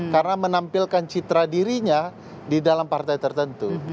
karena menampilkan citra dirinya di dalam partai tertentu